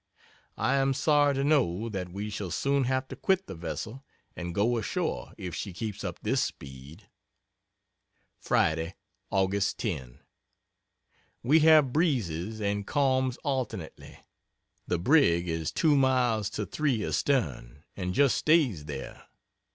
I am sorry to know that we shall soon have to quit the vessel and go ashore if she keeps up this speed. Friday, Aug. 10 We have breezes and calms alternately. The brig is two miles to three astern, and just stays there.